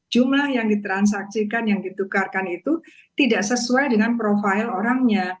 jumlah yang ditransaksikan yang ditukarkan itu tidak sesuai dengan profil orangnya